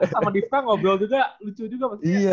sama dipra ngobrol sama coach givi ya